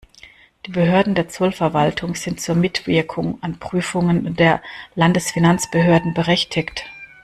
Die Behörden der Zollverwaltung sind zur Mitwirkung an Prüfungen der Landesfinanzbehörden berechtigt.